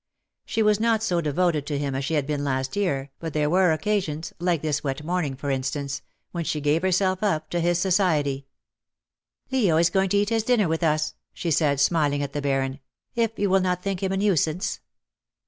She was not so devoted to him as she had been last year, but there were occasions — like this wet morning, for instance — when she gave herself up to his society. " Leo is going to eat his dinner with us/^ she said, smiling at the Baron, " if you will not think him a nuisance."